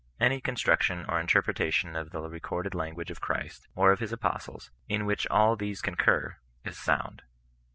Any construction or interpreta tion of the recorded language of Christ, or of his apostles, in which all these concur, is sound.